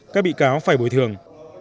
các bị cáo phải bồi thường